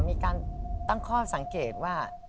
มีการตั้งข้อสังเกตว่า